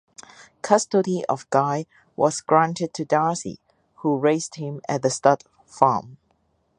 Custody of Guy was granted to Darcy who raised him at the stud farm.